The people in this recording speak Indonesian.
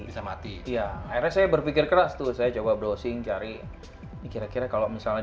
bisa mati ya akhirnya saya berpikir keras tuh saya coba browsing cari kira kira kalau misalnya